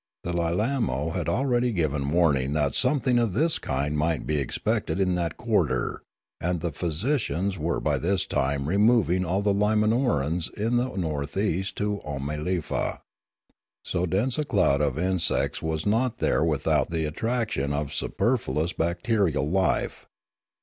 The Lilamo had already given warning that something of this kind might be expected in that quarter, and the physicians were by this time removing all the Limanorans in the north east to Oomalefa. So dense a cloud of insects was not there without the attraction of superfluous bacterial life.